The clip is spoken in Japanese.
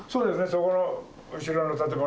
そこの後ろの建物